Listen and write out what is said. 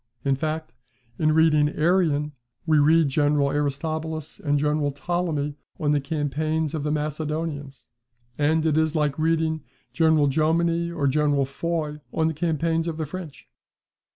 In fact, in reading Arrian, we read General Aristobulus and General Ptolemy on the campaigns of the Macedonians; and it is like reading General Jomini or General Foy on the campaigns of the French.